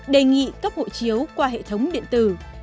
đề nghị cấp hộ chiếu qua hệ thống điện tử